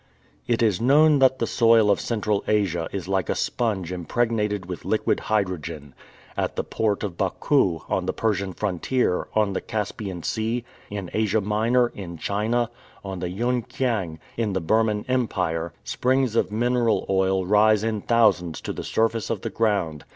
It is known that the soil of Central Asia is like a sponge impregnated with liquid hydrogen. At the port of Bakou, on the Persian frontier, on the Caspian Sea, in Asia Minor, in China, on the Yuen Kiang, in the Burman Empire, springs of mineral oil rise in thousands to the surface of the ground.